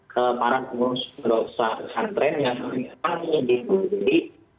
ke para pengusaha pesantren yang menghimpati icw